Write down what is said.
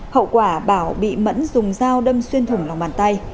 hậu quả bảo bị mẫn dùng dao đâm xuyên thủng lòng bàn tay